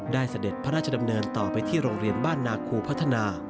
เสด็จพระราชดำเนินต่อไปที่โรงเรียนบ้านนาคูพัฒนา